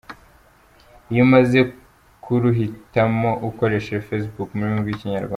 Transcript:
Iyo umaze kuruhitamo ukoresha Facebook mu rurimi rw’ikinyarwanda.